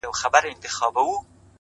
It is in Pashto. ریښتینی ځواک په ځان کنټرول کې دی،